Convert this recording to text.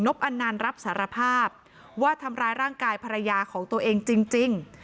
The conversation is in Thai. อันนั้นรับสารภาพว่าทำร้ายร่างกายภรรยาของตัวเองจริง